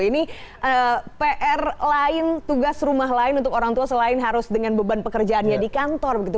ini pr lain tugas rumah lain untuk orang tua selain harus dengan beban pekerjaannya di kantor begitu